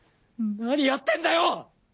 何やってんだよ！